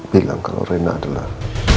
bilang kalau rina adalah